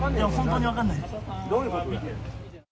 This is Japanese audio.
どういうことだ。